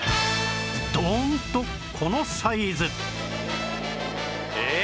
ドーンとこのサイズ